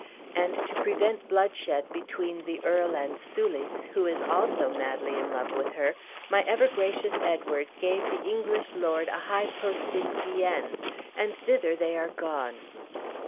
And, to prevent bloodshed between the earl and Soulis, who is also madly in love with her, my ever gracious Edward gave the English lord a high post in Guienne, and thither they are gone."